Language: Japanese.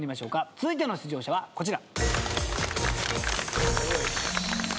続いての出場者はこちら。